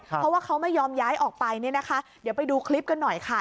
เพราะว่าเขาไม่ยอมย้ายออกไปเนี่ยนะคะเดี๋ยวไปดูคลิปกันหน่อยค่ะ